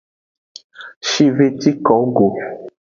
Shve ci kowo go.